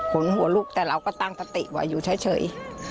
หัวลูกแต่เราก็ตั้งสติไว้อยู่เฉย